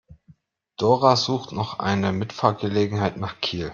Dora sucht noch eine Mitfahrgelegenheit nach Kiel.